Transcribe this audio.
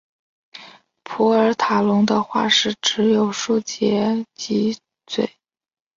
普尔塔龙的化石只有数节脊椎。